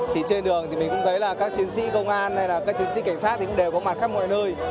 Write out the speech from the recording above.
trên đường mình cũng thấy các chiến sĩ công an các chiến sĩ cảnh sát đều có mặt khắp mọi nơi